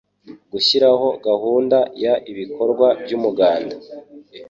Gushyiraho gahunda y ibikorwa by'umuganda